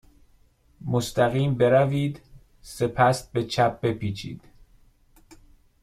مستقیم بروید. سپس به چپ بپیچید.